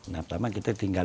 nah utama kita tinggal